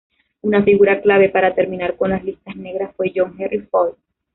Una figura clave para terminar con las listas negras fue John Henry Faulk.